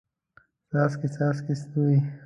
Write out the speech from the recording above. څاڅکي، څاڅکي ستوري